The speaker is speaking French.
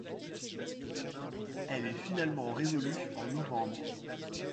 Elle est finalement résolue en novembre.